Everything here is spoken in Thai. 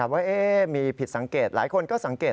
ว่ามีผิดสังเกตหลายคนก็สังเกต